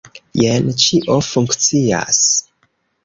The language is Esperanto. Jen, ĉio funkcias.